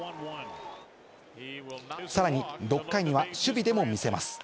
さらに６回には守備でも見せます。